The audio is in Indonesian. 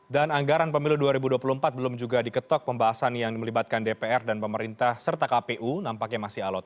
dan anggaran pemilu dua ribu dua puluh empat belum juga diketok pembahasan yang melibatkan dpr dan pemerintah serta kpu nampaknya masih alot